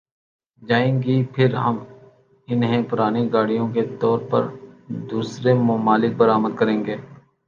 جائیں گی پھر ہم انہیں پرانی گاڑیوں کے طور پر دوسرے ممالک برآمد کریں گئے